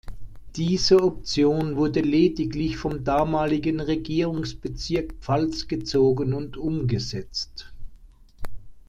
Diese Option wurde lediglich vom damaligen Regierungsbezirk Pfalz gezogen und umgesetzt.